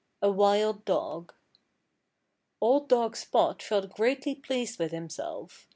III A WILD DOG Old dog Spot felt greatly pleased with himself.